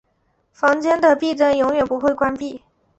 房间的壁灯永远不会关闭。